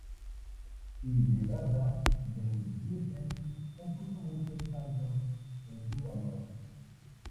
Hildegarda de Bingen compuso muchos cantos en su honor.